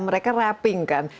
mereka rapping kan